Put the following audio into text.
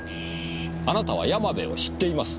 あなたは山部を知っています。